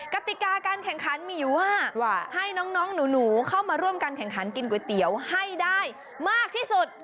กติกาการแข่งขันมีอยู่ว่าให้น้องหนูเข้ามาร่วมกันแข่งขันกินก๋วยเตี๋ยวให้ได้มากที่สุด